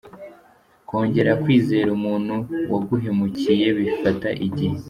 kongera kwizera umuntu waguhemukiye bifata igihe.